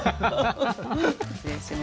失礼します。